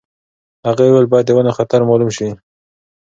هغې وویل باید د ونو خطر مالوم شي.